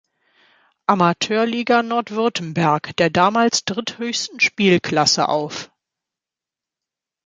Amateurliga Nordwürttemberg, der damals dritthöchsten Spielklasse auf.